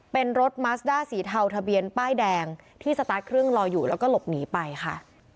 เป็นรถมัสด้าสีเทาทะเบียนป้ายแดงที่สตาร์ทเครื่องรออยู่แล้วก็หลบหนีไปค่ะ